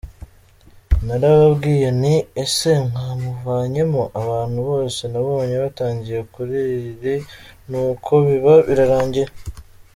Narababwiye nti ‘ese mwamuvanyemo’, abantu bose nabonye batangiye kuriri ni uko biba birarangiye!!!” .